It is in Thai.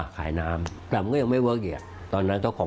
ขายกล้วยทอดได้๓เดือน